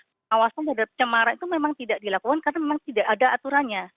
pengawasan terhadap cemara itu memang tidak dilakukan karena memang tidak ada aturannya